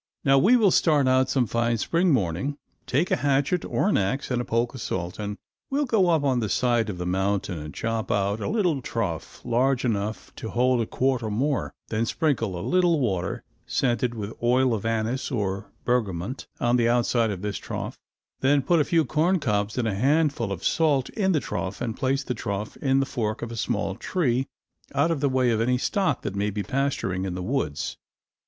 Now we will start out some fine spring morning, take a hatchet or an ax and a polk of salt, and we will go up on the side of the mountain and chop out a little trough large enough to hold a quart or more, then sprinkle a little water, scented with oil of anise or bergamont, on the outside of this trough, then put a few corncobs and a handful of salt in the trough and place the trough in the fork of a small tree out of the way of any stock that may be pasturing in the woods.